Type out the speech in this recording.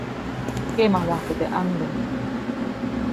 Keʼmaŋwajku teʼ ʼaŋduŋ.